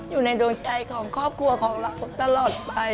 อยู่ในดวงใจของครอบครัวของเราตลอดไป